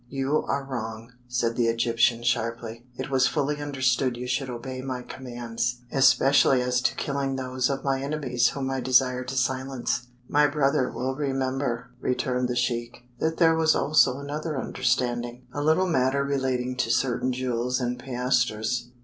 "You are wrong," said the Egyptian, sharply. "It was fully understood you should obey my commands, especially as to killing those of my enemies whom I desired to silence." "My brother will remember," returned the sheik, "that there was also another understanding a little matter relating to certain jewels and piastres."